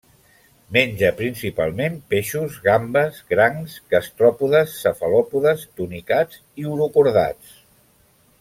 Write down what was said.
Menja principalment peixos, gambes, crancs, gastròpodes, cefalòpodes, tunicats i urocordats.